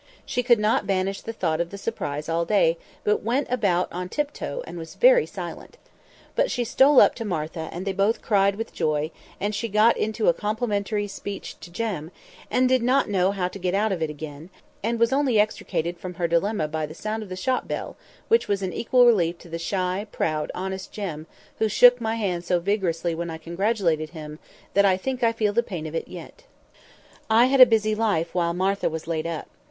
She could not banish the thought of the surprise all day, but went about on tiptoe, and was very silent. But she stole up to see Martha and they both cried with joy, and she got into a complimentary speech to Jem, and did not know how to get out of it again, and was only extricated from her dilemma by the sound of the shop bell, which was an equal relief to the shy, proud, honest Jem, who shook my hand so vigorously when I congratulated him, that I think I feel the pain of it yet. [Picture: I went to call Miss Matty] I had a busy life while Martha was laid up.